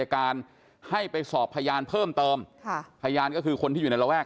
การให้ไปสอบพยานเพิ่มเติมค่ะพยานก็คือคนที่อยู่ในระแวก